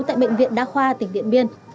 tại bệnh viện đa khoa tỉnh điện biên